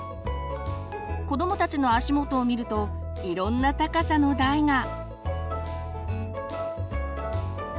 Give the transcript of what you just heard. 子どもたちの足元を見るといろんな高さの台が。